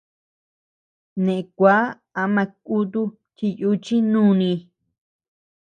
Neʼe kua ama kutu chi yuchi núni.